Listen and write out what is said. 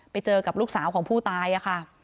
ไปเจอกับลูกสาวของผู้ตายค่ะ